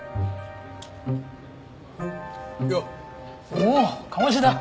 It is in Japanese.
おお鴨志田。